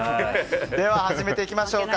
始めていきましょうか。